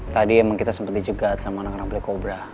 tadi emang kita sempet dicegat sama anak anak black cobra